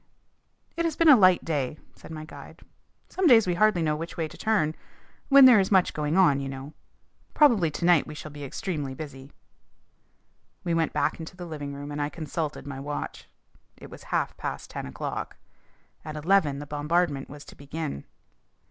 "It has been a light day," said my guide. "Sometimes we hardly know which way to turn when there is much going on, you know. Probably to night we shall be extremely busy." We went back into the living room and I consulted my watch. It was half past ten o'clock. At eleven the bombardment was to begin!